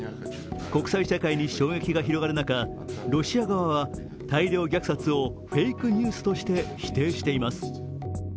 国際社会に衝撃が広がる中ロシア側は大量虐殺をフェイクニュースとして否定しています。